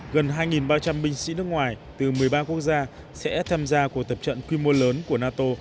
gần hai ba trăm linh binh sĩ nước ngoài từ một mươi ba quốc gia sẽ tham gia cuộc tập trận quy mô lớn của nato